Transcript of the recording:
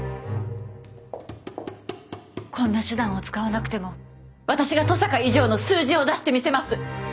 こんな手段を使わなくても私が登坂以上の数字を出してみせます！